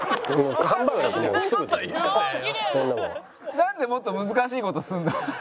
なんでもっと難しい事するの？